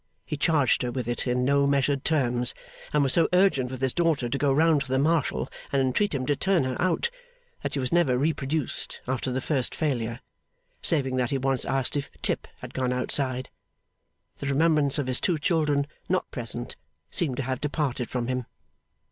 He charged her with it in no measured terms; and was so urgent with his daughter to go round to the Marshal and entreat him to turn her out, that she was never reproduced after the first failure. Saving that he once asked 'if Tip had gone outside?' the remembrance of his two children not present seemed to have departed from him.